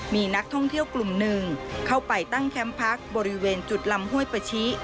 มีนักท่องเที่ยวกลุ่มหนึ่งเข้าไปตั้งแคมป์พักบริเวณจุดลำห้วยปะชิ